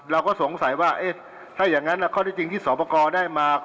เราก็สงสัยว่าเอ๊ะถ้าอย่างงั้นแล้วข้อด้วยจริงที่สอบประกอบได้มา